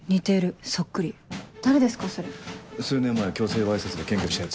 数年前強制わいせつで検挙したヤツ。